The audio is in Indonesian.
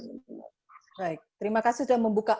baik terima kasih sudah membuka